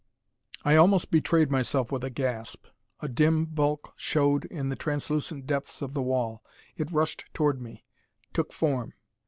I almost betrayed myself with a gasp! A dim bulk showed in the translucent depths of the wall. It rushed toward me, took form.